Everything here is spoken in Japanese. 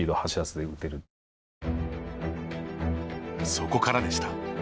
そこからでした。